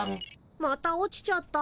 また落ちちゃった。